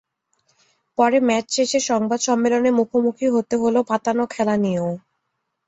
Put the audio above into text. পরে ম্যাচ শেষের সংবাদ সম্মেলনে মুখোমুখি হতে হলো পাতানো খেলা নিয়েও।